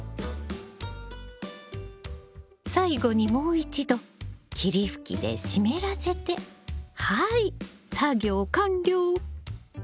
最後にもう一度霧吹きで湿らせてはいっ作業完了！